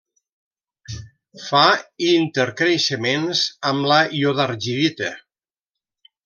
Fa intercreixements amb la iodargirita.